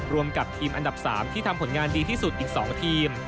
รวมกับทีมอันดับ๓ที่ทำผลงานดีที่สุดอีก๒ทีม